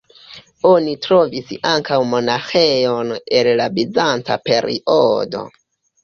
Oni trovis ankaŭ monaĥejon el la bizanca periodo.